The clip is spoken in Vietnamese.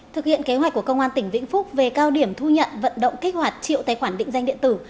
thực hiện kế hoạch của công an tỉnh vĩnh phúc về cao điểm thu nhận vận động kích hoạt triệu tài khoản định danh điện tử